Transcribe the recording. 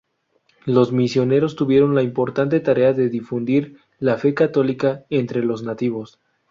Los misioneros tuvieron la importante tarea de difundir la fe católica entre los nativos.